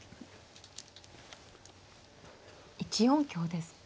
１四香ですか。